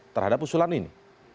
terhadap usulan ini